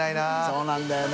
そうなんだよね。